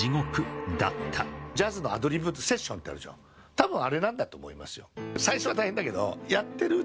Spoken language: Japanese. たぶんあれなんだと思いますよ。